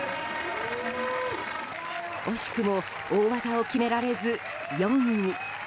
惜しくも大技を決められず４位に。